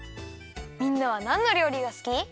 みんなはなんのりょうりがすき？